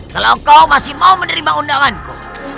kalau kau masih mau menerima undanganku